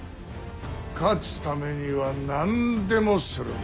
勝つためには何でもするんだ。